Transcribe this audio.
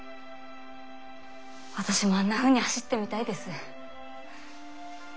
私もあんなふうに走ってみたいです。